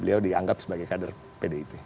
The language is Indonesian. jadi itu yang kita anggap sebagai kader pdip